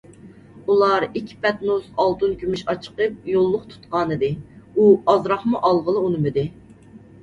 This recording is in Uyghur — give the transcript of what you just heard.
ئۇلار ئىككى پەتنۇس ئالتۇن - كۈمۈش ئاچىقىپ يوللۇق تۇتقانىدى، ئۇ ئازراقمۇ ئالغىلى ئۇنىمىدى.